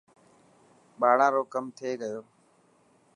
ٻاڙا رو ڪم ٿي گيو.